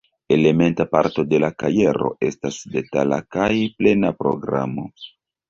Elementa parto de la kajero estas detala kaj plena programo.